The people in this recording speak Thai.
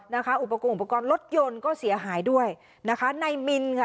นะคะอุปกรณ์อุปกรณ์รถยนต์ก็เสียหายด้วยนะคะในมินค่ะ